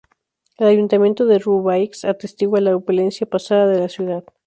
El ayuntamiento de Roubaix atestigua la opulencia pasada de la ciudad.